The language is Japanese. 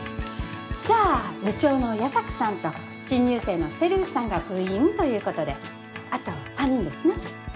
じゃあ部長の矢差暮さんと新入生のせるふさんが部員ということであと３人ですね。